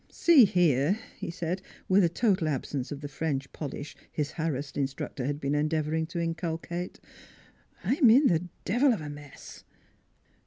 " See here," he said, with a total absence of the French polish his harassed instructor had been endeavoring to inculcate. " I'm in the devil of a mess."